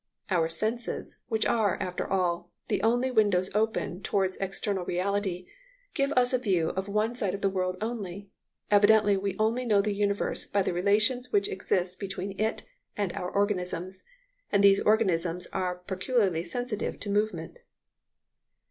Our senses, which are, after all, the only windows open towards external reality, give us a view of one side of the world only; evidently we only know the universe by the relations which exist between it and our organisms, and these organisms are peculiarly sensitive to movement.